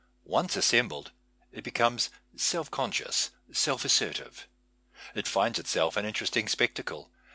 Once assembled, it becomes self conscious, self assertive. It finds itself an interesting spectacle.